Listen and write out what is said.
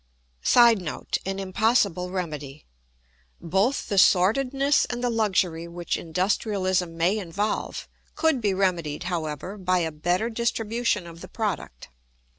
[Sidenote: An impossible remedy.] Both the sordidness and the luxury which industrialism may involve, could be remedied, however, by a better distribution of the product.